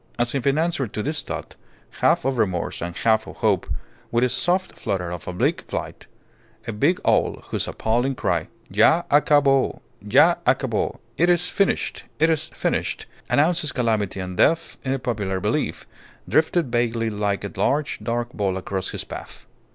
As if in answer to this thought, half of remorse and half of hope, with a soft flutter and oblique flight, a big owl, whose appalling cry: "Ya acabo! Ya acabo! it is finished; it is finished" announces calamity and death in the popular belief, drifted vaguely like a large dark ball across his path.